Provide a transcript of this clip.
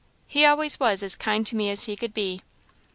He always was as kind to me as he could be."